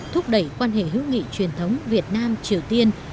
thúc đẩy quan hệ hữu nghị truyền thống việt nam triều tiên